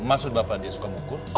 maksud bapak dia suka ngukur